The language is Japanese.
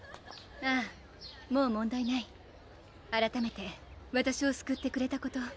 ああもう問題ないあらためてわたしをすくってくれたこと